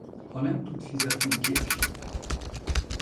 Ha nem tud fizetni kiesik.